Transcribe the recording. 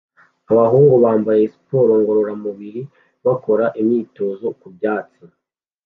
Abahungu bambaye siporo ngororamubiri bakora imyitozo ku byatsi